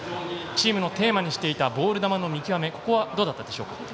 チームのテーマにしていたボール球の見極めはどうだったでしょうか。